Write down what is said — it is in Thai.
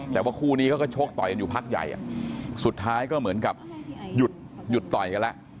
แต่ว่าคู่นี้เขาก็ชกต่อยกันอยู่พักใหญ่สุดท้ายก็เหมือนกับหยุดหยุดต่อยกันแล้ว